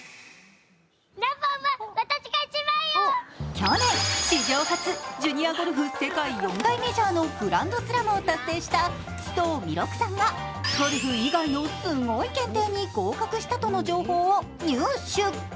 去年、史上初ジュニアゴルフ世界４大メジャーのグランドスラムを達成した須藤弥勒さんがゴルフ以外のすごい検定に合格したとの情報を入手。